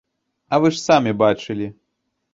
А вы ж самі бачылі!